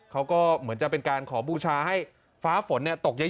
เขาก็เหมือนจะเป็นการขอบูชาให้ฟ้าฝนตกเยอะ